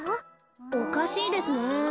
おかしいですね。